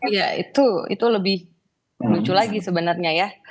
ya itu lebih lucu lagi sebenarnya ya